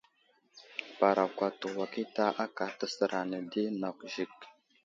Parakwato wakita aka təsər ane di nakw Zik.